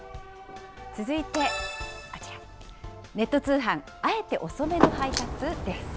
続いてあちら、ネット通販、あえて遅めの配達？です。